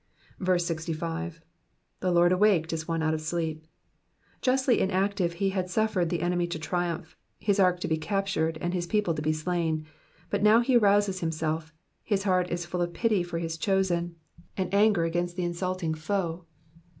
65. ^*'The Lord awaked as one out of sleep, Justly inactive, he had suffered the enemy to triumph, his ark to be captured, and his people to be slain ; but now he arouses himself, his heart is full of pity for his chosen, and anger against the insulting foe.